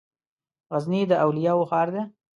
غزني د اولياوو ښار ده